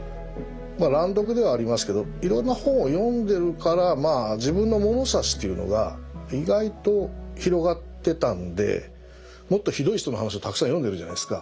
乱読ではありますけどいろんな本を読んでるからまあ自分の物差しというのが意外と広がってたんでもっとひどい人の話をたくさん読んでるじゃないですか。